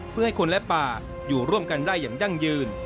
เพื่อให้คนและป่าอยู่ร่วมกันได้อย่างยั่งยืน